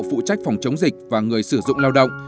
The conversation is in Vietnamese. phụ trách phòng chống dịch và người sử dụng lao động